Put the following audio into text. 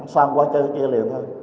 xoan qua cái kia liền thôi